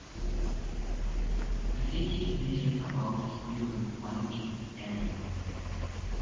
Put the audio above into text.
The city measured about a square mile in area.